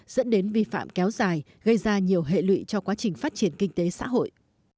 dẫn đến vi phạm kéo dài gây ra nhiều hệ lụy cho quá trình phát triển kinh tế xã hội